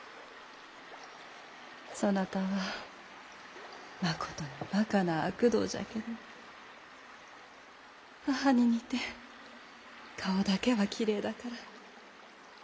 そなたはまことにバカな悪童じゃけど母に似て顔だけはきれいだから。